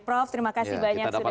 prof terima kasih banyak sudah